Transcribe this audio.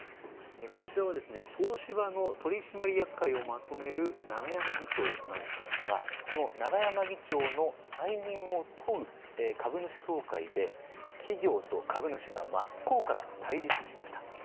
こちらは東芝の取締役会をまとめる永山議長なんですがこの永山議長の再任を問う株主総会で企業と株主が真っ向から対立しました。